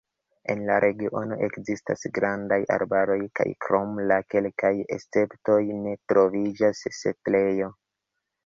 En la regiono ekzistas grandaj arbaroj kaj krom la kelkaj esceptoj ne troviĝas setlejo.